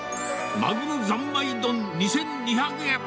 まぐろ三昧丼２２００円。